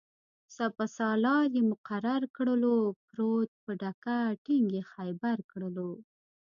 سپه سالار یې مقرر کړلو-پروت په ډکه ټینګ یې خیبر کړلو